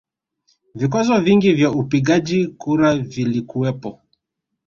Vikwazo vingi vya upigaji kura vilikuwepo